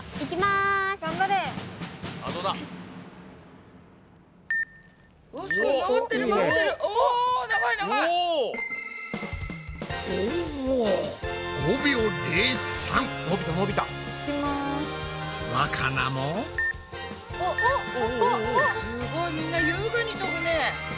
すごいみんな優雅に飛ぶね。